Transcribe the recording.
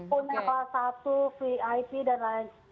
punya v satu vit dan lain lain